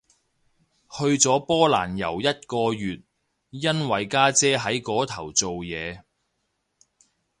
去咗波蘭遊一個月，因為家姐喺嗰頭做嘢